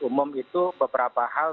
umum itu beberapa hal